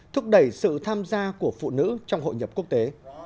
thúc đẩy sự tham gia của phụ nữ trong hội nhập quốc tế